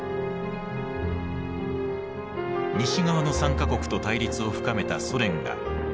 西側の３か国と対立を深めたソ連がベルリンを封鎖。